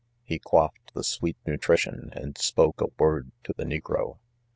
He ' quaffed the sweet nutrition and spoke a word to the negro.